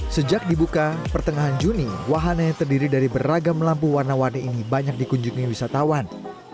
sejak dibuka pertengahan juni wahana yang terdiri dari beragam lampu warna warni ini banyak dikunjungi wisatawan